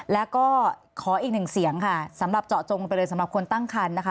แล้วก็ขออีกหนึ่งเสียงค่ะสำหรับเจาะจงไปเลยสำหรับคนตั้งคันนะคะ